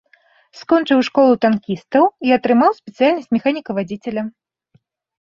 Скончыў школу танкістаў і атрымаў спецыяльнасць механіка-вадзіцеля.